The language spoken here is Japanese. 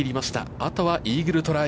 あとはイーグルトライ。